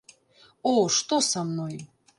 О, што са мной?